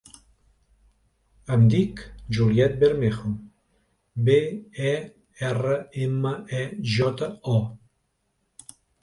Em dic Juliet Bermejo: be, e, erra, ema, e, jota, o.